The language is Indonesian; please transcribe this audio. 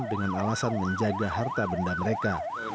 dengan alasan menjaga harta benda mereka